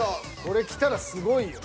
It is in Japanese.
これきたらすごいよ。